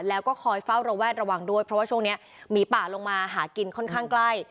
แล้วก็คอยเฝ้าระแวดระวังด้วยเพราะว่าช่วงนี้หมีป่าลงมาหากินค่อนข้างใกล้